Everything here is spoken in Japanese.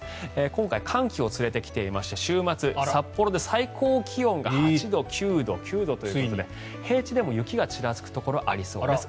今回、寒気を連れてきていまして週末、札幌で最高気温が８度、９度、９度ということで平地でも雪がちらつくところがありそうです。